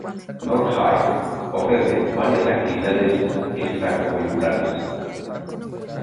North High ofrece varias actividades extracurriculares.